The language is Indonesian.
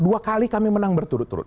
dua kali kami menang berturut turut